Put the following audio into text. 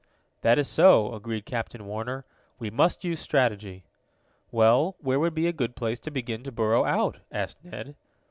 "That is so," agreed Captain Warner. "We must use strategy." "Well, where would be a good place to begin to burrow out?" asked Ned.